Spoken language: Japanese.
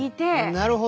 なるほど。